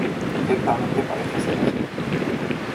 Ciertamente parece ser así.